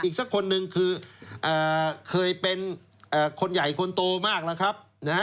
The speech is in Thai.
อีกสักคนหนึ่งคือเคยเป็นคนใหญ่คนโตมากแล้วครับนะฮะ